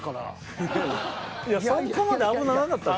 いやそこまで危ななかったで。